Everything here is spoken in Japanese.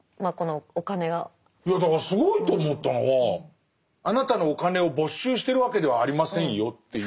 いやだからすごいと思ったのは「あなたのお金を没収してるわけではありませんよ」っていう。